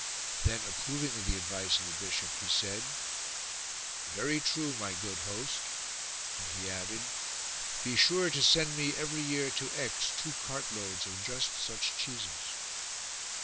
Then approving of the advice of the bishop, he said :" Very true, my good host," and he added :" Be sure to send me 79 A NOVEL TRIBUTE every year to Aix two cart loads of just such cheeses."